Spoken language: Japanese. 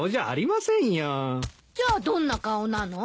じゃあどんな顔なの？